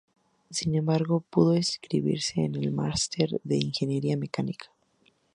Sin embargo pudo inscribirse en el máster de Ingeniería Mecánica.